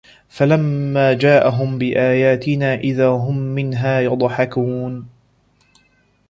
فَلَمّا جاءَهُم بِآياتِنا إِذا هُم مِنها يَضحَكونَ